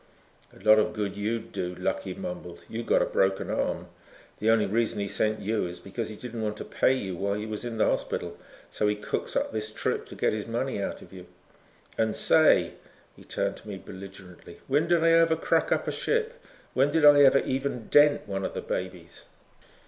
"A lot of good you'd do," Lucky mumbled. "You got a broken arm. The only reason he sent you is because he didn't want to pay you while you was in the hospital so he cooks up this trip to get his money out of you. And say," he turned to me belligerently, "when did I ever crack up a ship? When did I ever even dent one of the babies?"